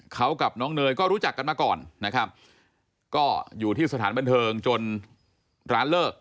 เขากับน้องเนยก็รู้จักกันมาก่อนนะครับก็อยู่ที่สถานบันเทิงจนร้านเลิก